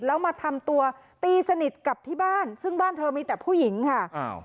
แล้วมาทำตัวตีสนิทกับที่บ้านซึ่งบ้านเธอมีแต่ผู้หญิงค่ะอ้าว